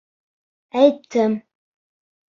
Әйттем.